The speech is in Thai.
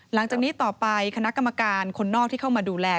หลังจากนี้ต่อไปคณะกรรมการคนนอกที่เข้ามาดูแล